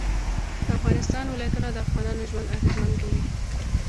د افغانستان ولايتونه د افغانانو ژوند اغېزمن کوي.